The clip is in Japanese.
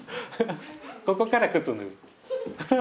ここから靴脱ぐ。